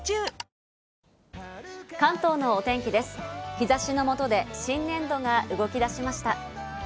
日差しの下で新年度が動き出しました。